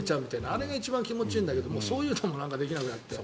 あれが一番気持ちいいんだけどそういうのもできなくなって。